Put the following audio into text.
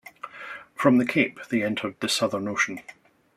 From the Cape they entered the southern ocean.